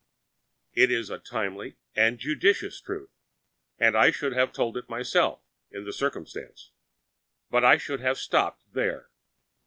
It was a timely and judicious truth, and I should have told it myself in the circumstances. But I should have stopped there.